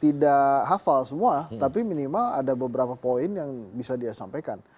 tidak hafal semua tapi minimal ada beberapa poin yang bisa dia sampaikan